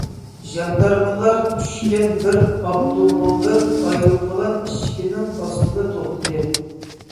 ژاندارمىلار چۈشكەن بىر ئاپتوموبىل ئايروپىلان ئىشىكىنىڭ ئاستىدا توختىدى.